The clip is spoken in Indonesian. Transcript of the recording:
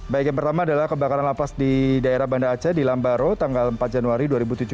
baik yang pertama adalah kebakaran lapas di daerah banda aceh di lambaro tanggal empat januari dua ribu tujuh belas